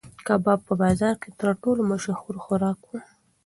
کباب په بازار کې تر ټولو مشهور خوراک و.